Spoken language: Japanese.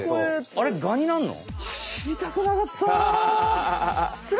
あれガになんの！？